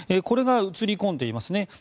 これが写り込んでいますね。